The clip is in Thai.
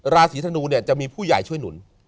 ราศีธนูเนี่ยจะมีผู้ใหญ่ช่วยหนุน